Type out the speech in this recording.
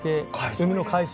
海の海藻。